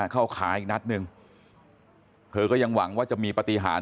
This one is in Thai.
เข้าขาอีกนัดหนึ่งเธอก็ยังหวังว่าจะมีปฏิหาร